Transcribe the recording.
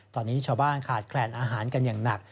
ตอนนี้ชาวบ้านขาดแคลนอาหารกันอย่างหนัก